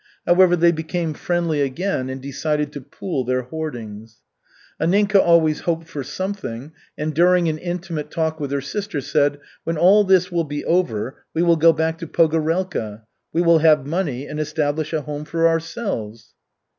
However, they became friendly again and decided to pool their hoardings. Anninka always hoped for something, and during an intimate talk with her sister, said: "When all this will be over, we will go back to Pogorelka. We will have money and establish a home for ourselves."